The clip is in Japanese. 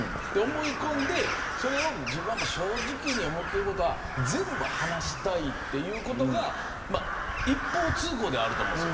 思い込んで自分は正直に思っていることは全部話したいということが一方通行ではあると思います。